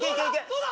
どうだ？